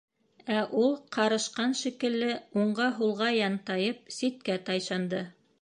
Ә ул, ҡарышҡан шикелле, уңға, һулға янтайып, ситкә тайшанды.